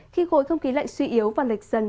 khi khối không khí lạnh suy yếu và lệch dần